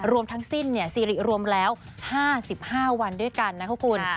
รวมทั้งสิ้นซีริรวมแล้ว๕๕วันด้วยกันนะคะคุณ